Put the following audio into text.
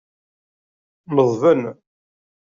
Neḍben.